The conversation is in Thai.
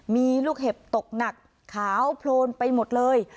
มีลูกเห็บตกหนักขาวโพลนไปหมดเลย